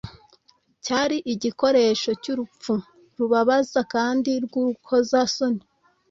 cyari igikoresho cy'urupfu rubabaza kandi rw'urukoza soni,